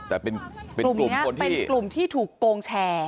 แต่เป็นกลุ่มนี้เป็นกลุ่มที่ถูกโกงแชร์